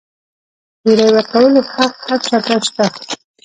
د رایې ورکولو حق هر چا ته شته.